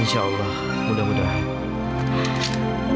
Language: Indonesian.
insya allah mudah mudahan